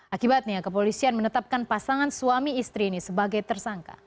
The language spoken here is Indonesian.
akibatnya kepolisian menetapkan pasangan suami istri ini sebagai tersangka